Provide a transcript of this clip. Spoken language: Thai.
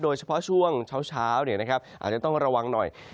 โดยเฉพาะช่วงเช้าอาจจะต้องระวังหน่อย